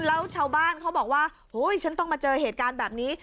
แล้วชาวบ้านเขาบอกว่าฉันต้องมาเจอเหตุการณ์แบบนี้